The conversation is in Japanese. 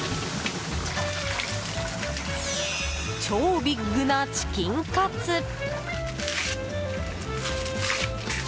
超ビッグなチキンカツ。